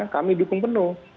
kami dukung penuh